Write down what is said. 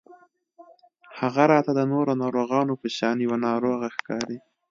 هغه راته د نورو ناروغانو په شان يوه ناروغه ښکاري